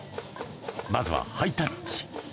まずはハイタッチ。